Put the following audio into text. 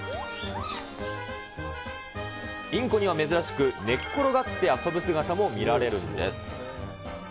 インコには珍しく、寝っ転がって遊ぶ姿も見られるんです。